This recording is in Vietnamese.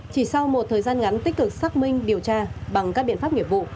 chỉ sau một thời gian ngắn tích cực xác minh điều tra bằng các biện pháp nghiệp vụ